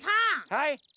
はい？